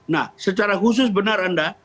nah secara khusus benar anda